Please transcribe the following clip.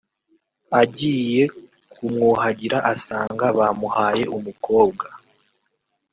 agiye kumwuhagira asanga bamuhaye umukobwa